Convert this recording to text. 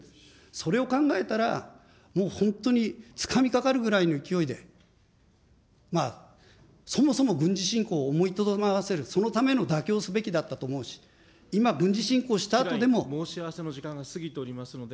それを考えたら、もう本当につかみかかるぐらいの勢いで、そもそも軍事侵攻を思いとどまらせる、そのための妥協すべきだったと思うし、今、吉良委員、申し合わせの時間が過ぎておりますので。